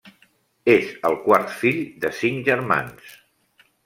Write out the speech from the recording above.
És el quart fill de cinc germans.